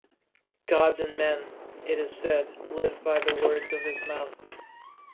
Gods and men, it is said, live by the words of his mouth.